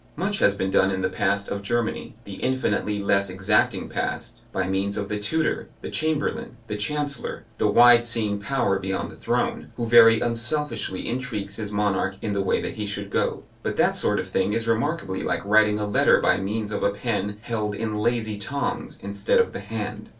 Much has been done in the past of Germany, the infinitely less exacting past, by means of the tutor, the Chamberlain, the Chancellor, the wide seeing power beyond the throne, who very unselfishly intrigues his monarch in the way that he should go. But that sort of thing is remarkably like writing a letter by means of a pen held in lazy tongs instead of the hand.